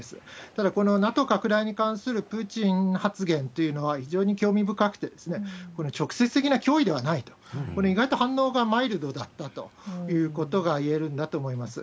ただ、このＮＡＴＯ拡大に関するプーチン発言というのは非常に興味深くて、直接的な脅威ではないと、これ、意外と反応がマイルドだったということが言えるんだと思います。